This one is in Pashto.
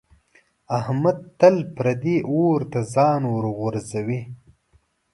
احمد تل پردي اور ته ځان ورغورځوي.